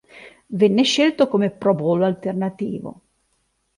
Venne scelto come Pro Bowl alternativo.